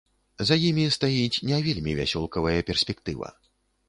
За імі стаіць не вельмі вясёлкавая перспектыва.